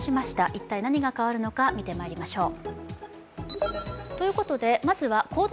一体何が変わるのか見てまいりましょう。